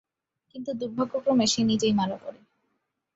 কিন্তু দুর্ভাগ্যক্রমে সে নিজেই মারা পড়ে।